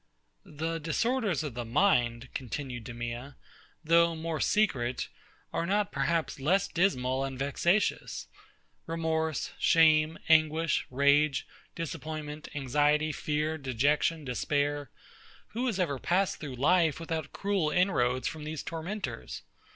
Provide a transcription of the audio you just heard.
The disorders of the mind, continued DEMEA, though more secret, are not perhaps less dismal and vexatious. Remorse, shame, anguish, rage, disappointment, anxiety, fear, dejection, despair; who has ever passed through life without cruel inroads from these tormentors?